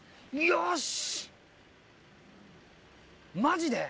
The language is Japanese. よし！